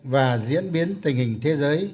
và diễn biến tình hình thế giới